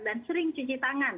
dan sering cuci tangan